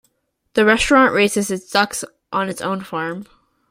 The restaurant raises its ducks on its own farm.